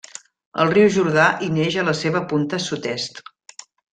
El riu Jordà hi neix a la seva punta sud-est.